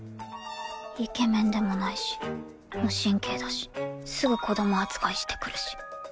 イケメンでもないし無神経だしすぐ子供扱いしてくるし。